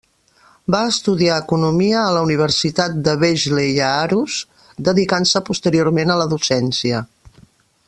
Va estudiar economia a la Universitat de Vejle i Aarhus, dedicant-se posteriorment a la docència.